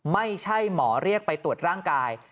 ไม่ใช่หมอเรียกไปตรวจร่างกาย